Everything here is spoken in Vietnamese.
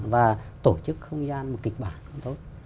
và tổ chức không gian kịch bản